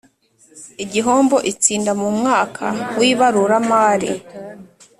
Igihombo itsinda mu mwaka w ibaruramari